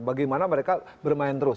bagaimana mereka bermain terus